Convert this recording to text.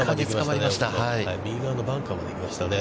右側のバンカーまで行きましたね。